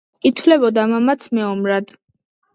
ითვლებოდა მამაც მეომრად.